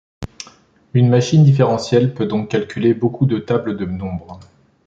Une machine différentielle peut donc calculer beaucoup de tables de nombres.